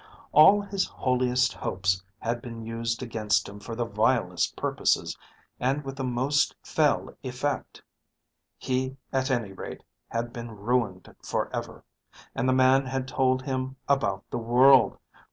All his holiest hopes had been used against him for the vilest purposes and with the most fell effect! He at any rate had been ruined for ever. And the man had told him about the world!